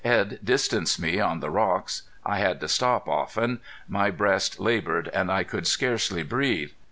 Edd distanced me on the rocks. I had to stop often. My breast labored and I could scarcely breathe.